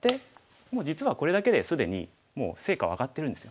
もう実はこれだけで既に成果は上がってるんですよ。